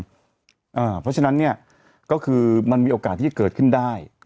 เพราะฉะนั้นเนี่ยก็คือมันมีโอกาสที่จะเกิดขึ้นได้